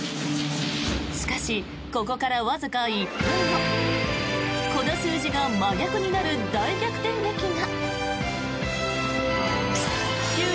しかし、ここからわずか１分後この数字が真逆になる大逆転劇が。